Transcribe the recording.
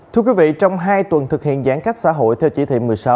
thưa quý vị trong hai tuần thực hiện giãn cách xã hội theo chỉ thị một mươi sáu